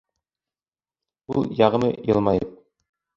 Ул, яғымлы йылмайып: